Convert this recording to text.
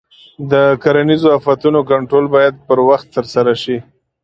د کرنیزو آفتونو کنټرول باید پر وخت ترسره شي.